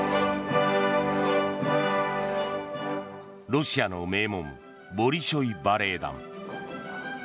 ロシアの名門ボリショイ・バレエ団。